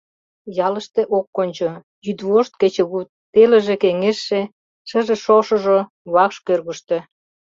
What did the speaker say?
Ялыште ок кончо, йӱдвошт-кечыгут, телыже-кеҥежше, шыже-шошыжо — вакш кӧргыштӧ.